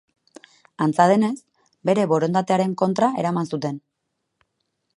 Antza denez, bere borondatearen kontra eraman zuten.